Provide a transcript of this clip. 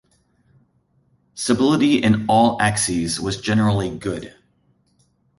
Stability in all axes was generally good.